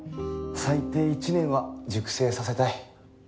最低１年は熟成させたい。